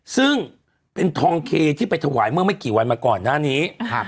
ซึ่งเป็นทองเคที่ไปถวายเมื่อไม่กี่วันมาก่อนหน้านี้